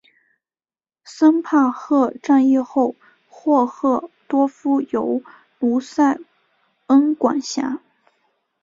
森帕赫战役后霍赫多夫由卢塞恩管辖。